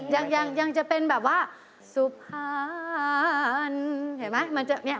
ยังยังยังจะเป็นแบบว่าสุภานเห็นไหมมันจะเนี่ย